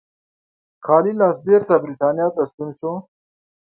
خالي لاس بېرته برېټانیا ته ستون شو.